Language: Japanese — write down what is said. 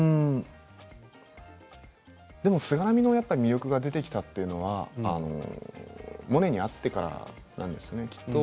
でも菅波の魅力が出てきたというのはモネに会ってからなんですね。